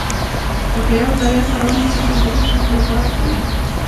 که په یوه زاویه سره ونښلي د ګروپ شکل غوره کوي.